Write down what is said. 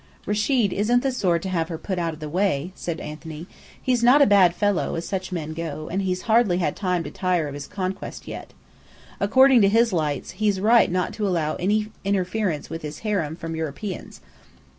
"Rechid isn't the sort to have her put out of the way,"! said Anthony. "He's not a bad fellow, as such men go, and he's hardly had time to tire of his conquest yet. According to his lights, he's right not to allow any interference with his harem from Europeans.